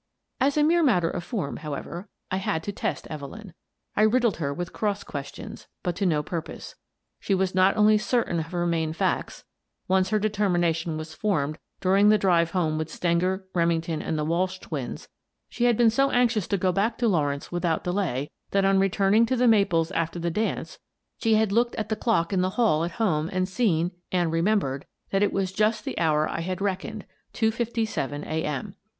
As a mere matter of form, however, I had to test Evelyn. I riddled her with cross questions, but to no purpose. She was not only certain of her main facts — once her determination was formed during the drive home with Stenger, Remington, and the Walsh twins, she had been so anxious to go back to Lawrence without delay that, on returning to " The Maples " after the dance, she had looked at the clock in the hall at home and seen — and remem bered — that it was just the hour I had reckoned : two fifty seven a. m.